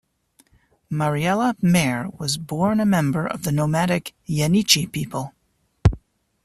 Mariella Mehr was born a member of the nomadic Yeniche people.